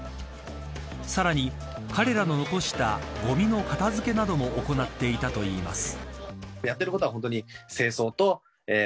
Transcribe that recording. さらに、彼らの残したごみの片付けなども行っていたといいます。